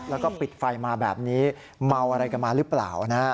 แล้วก็ปิดไฟมาแบบนี้เมาอะไรกันมาหรือเปล่านะฮะ